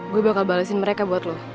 gue bakal balesin mereka buat lo